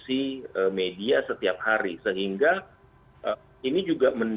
dan itu menjadi apa ya menjadi konsumen